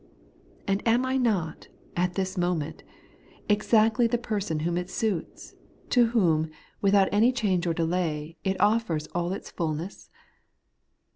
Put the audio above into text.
and am I not, at this moment, exactly the person whom it suits; to whom, without any change or delay, it oiBfers all its fulness